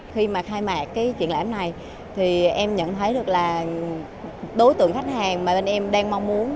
khi mà khai mạc cái triển lãm này thì em nhận thấy được là đối tượng khách hàng mà bên em đang mong muốn